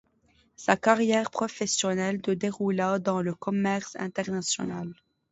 Sa carrière professionnelle de déroula dans le commerce international.